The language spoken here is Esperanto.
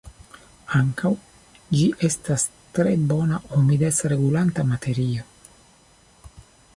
Ankaŭ, ĝi estas tre bona humidec-regulanta materio.